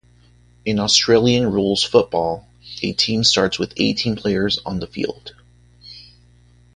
In Australian rules football, a team starts with eighteen players on the field.